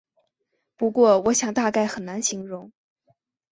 不过我想大概很难形容